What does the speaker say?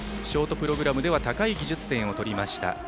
ショートプログラムでは高い技術点を取りました。